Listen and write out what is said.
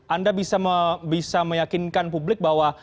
anda bisa meyakinkan publik bahwa